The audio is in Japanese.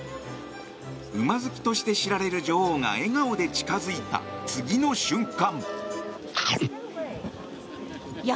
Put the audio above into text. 馬好きとして知られる女王が笑顔で近づいた、次の瞬間。